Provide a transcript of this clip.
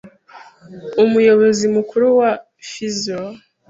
Umuyobozi Mukuru wa Pfizer,